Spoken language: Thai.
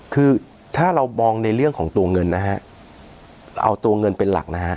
คือถ้าเรามองในเรื่องของตัวเงินนะฮะเอาตัวเงินเป็นหลักนะฮะ